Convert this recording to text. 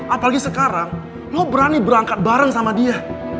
apalagi sekarang lo berani berangkat bareng sama dia